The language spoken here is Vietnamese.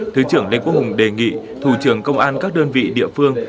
thứ trưởng lê quốc hùng đề nghị thủ trưởng công an các đơn vị địa phương